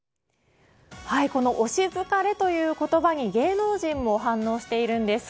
この推し疲れという言葉に芸能人も反応しているんです。